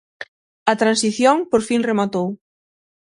A Transición por fin rematou.